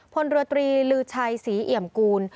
พลเรือตรีลือชัยศรีเอี่ยมกูล